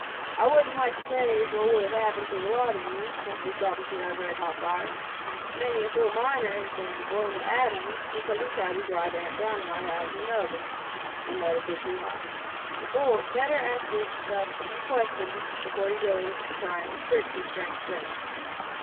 I wouldn't like to say what would have happened to the lot of you, once this dropped into that red hot fire. Many a fool miner has been blown to atoms because he tried to dry damp dynamite out in an oven, and let it get too hot. Better ask yourself a few questions before you go to trying tricks with strange things."